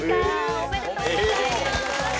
おめでとうございまーす！